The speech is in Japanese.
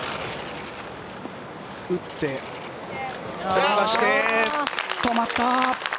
打って、転がして止まった！